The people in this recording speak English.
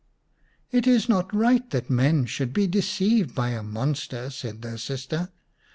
"It is not right that men should be deceived by a monster," said her sister.